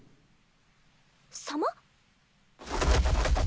「様」？